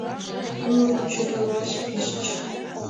Нуно кучедалаш пижыч.